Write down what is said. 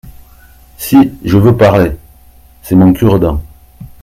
Si, je veux parler !… c’est mon cure-dent.